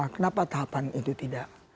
kenapa tahapan itu tidak